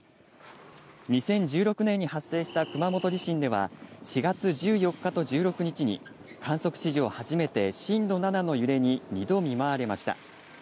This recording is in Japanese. ２０１６年に発生した熊本地震では４月１４日と１６日に観測史上初めて震度７の揺れに２度見舞われました。